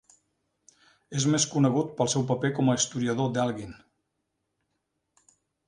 És més conegut pel seu paper com a historiador d'Elgin.